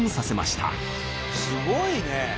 すごいね。